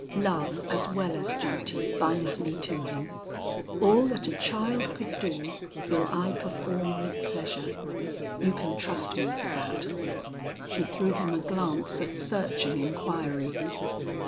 Love as well as duty binds me to him. All that a child could do will I perform with pleasure. You can trust me for that." She threw him a glance of searching inquiry.